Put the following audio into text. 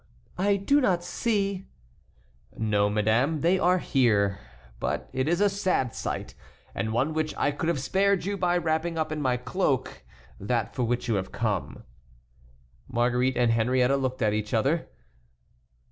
I do not see"— "No, madame, they are here; but it is a sad sight, and one which I could have spared you by wrapping up in my cloak that for which you have come." Marguerite and Henriette looked at each other.